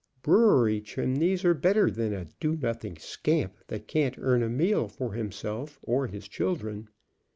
Brewery chimneys are better than a do nothing scamp that can't earn a meal for himself or his children.